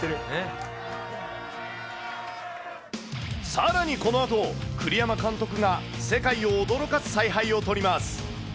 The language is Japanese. さらに、このあと、栗山監督が世界を驚かす采配を取ります。